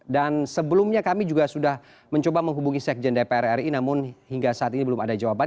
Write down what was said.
dan sebelumnya kami juga sudah mencoba menghubungi sekjen dpr ri namun hingga saat ini belum ada jawaban